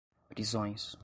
prisões